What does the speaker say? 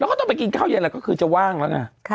แล้วก็ต้องไปกินข้าวเย็นอะไรก็คือจะว่างแล้วไง